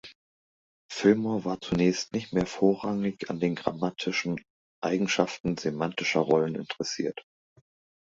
Fillmore war zunächst nicht mehr vorrangig an den grammatischen Eigenschaften semantischer Rollen interessiert.